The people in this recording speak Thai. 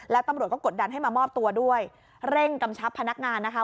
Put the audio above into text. แล้วตำรวจก็กดดันให้มามอบตัวด้วยเร่งกำชับพนักงานนะคะ